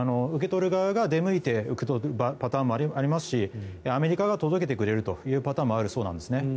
受け取る側が出向いていくパターンもありますしアメリカが届けてくれるというパターンもあるそうなんですね。